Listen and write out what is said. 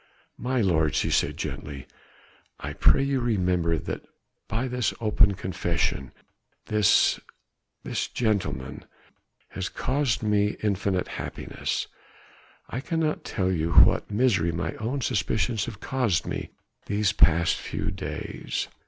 "My lord," she said gently, "I pray you to remember that by this open confession this ... this gentleman has caused me infinite happiness. I cannot tell you what misery my own suspicions have caused me these past two days.